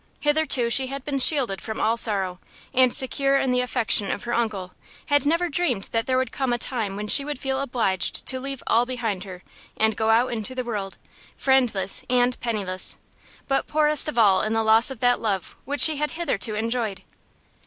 Hitherto she had been shielded from all sorrow, and secure in the affection of her uncle, had never dreamed that there would come a time when she would feel obliged to leave all behind her, and go out into the world, friendless and penniless, but poorest of all in the loss of that love which she had hitherto enjoyed.